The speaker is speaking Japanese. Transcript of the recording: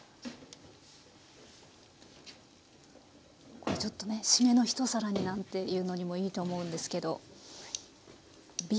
これちょっとねしめの一皿になんていうのにもいいと思うんですけどビールですかね？